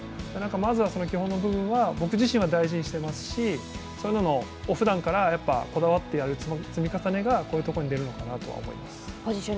まずは基本の部分は僕自身は大事にしていますしそういうのをふだんからこだわってやる、積み重ねがこういうところに出るのかなとは思います。